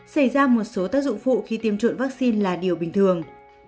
xảy ra một số tác dụng phụ khi tiêm chủng vaccine là điều bình thường